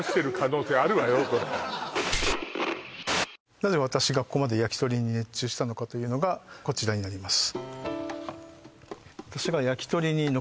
なぜ私がここまでやきとりに熱中したのかというのがこちらになります